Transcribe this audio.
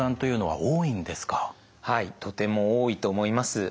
はいとても多いと思います。